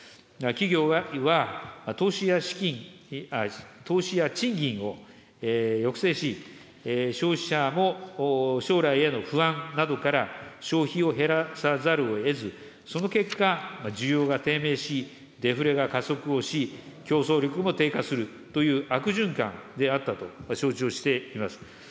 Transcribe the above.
企業は投資や賃金を抑制し、消費者も将来への不安などから消費を減らさざるをえず、その結果、需要が低迷し、デフレが加速をし、競争力も低下するという悪循環であったと承知をしています。